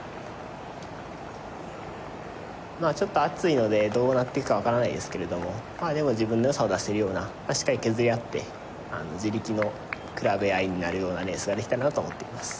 ちょっと暑いので、どうなっていくか分からないですけど自分の良さを出しているようなしっかり削りあって地力の比べ合いになるようなレースができたらなと思います。